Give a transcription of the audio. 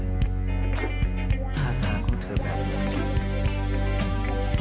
ท่าทางแทรกของเธอแบบนั้น